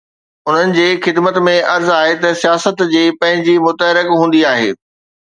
انهن جي خدمت ۾ عرض آهي ته سياست جي پنهنجي متحرڪ هوندي آهي.